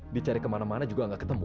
dicari kemana mana juga nggak ketemu